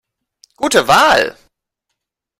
Gute Wahl!